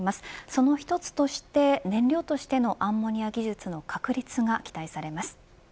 その１つとして燃料としてのアンモニア技術の確立が期待されます。